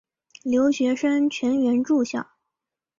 留学生全员住校。